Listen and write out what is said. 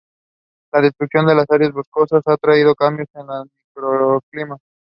La destrucción de áreas boscosas ha traído cambios en el microclima.